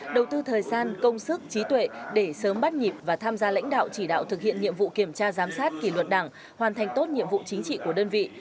đầu tư thời gian công sức trí tuệ để sớm bắt nhịp và tham gia lãnh đạo chỉ đạo thực hiện nhiệm vụ kiểm tra giám sát kỷ luật đảng hoàn thành tốt nhiệm vụ chính trị của đơn vị